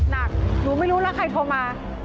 หนูไม่รู้แล้วใครโทรมา